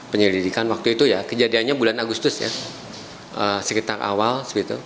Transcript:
penyelidikan waktu itu ya kejadiannya bulan agustus ya sekitar awal